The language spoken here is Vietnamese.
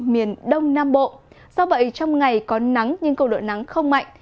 miền đông nam bộ do vậy trong ngày có nắng nhưng cường độ nắng không mạnh